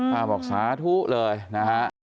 บอกสาธุเลยนะฮะ